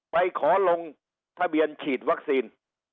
ไปขอลงทะเบียนฉีดวัคซีน